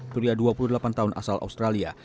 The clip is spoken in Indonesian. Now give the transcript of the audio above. pria dua puluh delapan tahun asal australia